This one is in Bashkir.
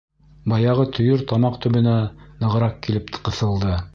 Баяғы төйөр тамаҡ төбөнә нығыраҡ килеп ҡыҫылды.